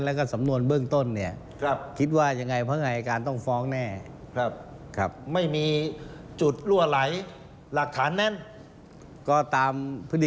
แล้วก็สำนวนเบื้องต้นเนี่ยคิดว่ายังไงเพราะไง